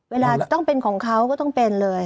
เวลาจะต้องเป็นของเขาก็ต้องเป็นเลย